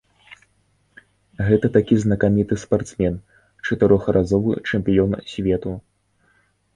Гэта такі знакаміты спартсмен, чатырохразовы чэмпіён свету.